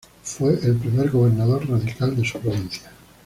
Fue el primer gobernador radical de su provincia.